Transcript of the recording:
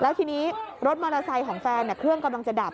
แล้วทีนี้รถมอเตอร์ไซค์ของแฟนเครื่องกำลังจะดับ